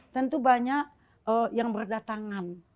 tentu banyak yang berdatangan